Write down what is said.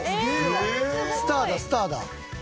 スターだスターだ！